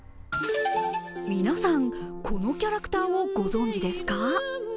皆さん、このキャラクターをご存じですか？